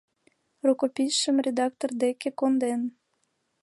Рукописьшым редактор деке конден.